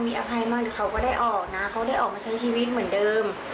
มีอภัยมากหรือเขาก็ได้ออกนะเขาได้ออกมาใช้ชีวิตเหมือนเดิม